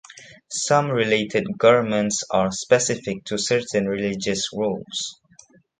Some related garments are specific to certain religious roles.